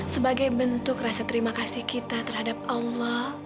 sebagai bentuk rasa terima kasih kita terhadap allah